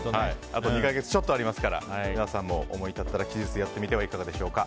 あと２か月ちょっとありますから皆さんも思い立ったら吉日でやってみてはいかがでしょうか。